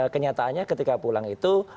kenyataannya ketika pulang itu